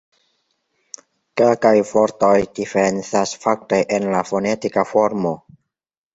Kelkaj vortoj diferencas fakte en la fonetika formo.